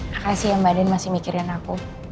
makasih ya mbak den masih mikirin aku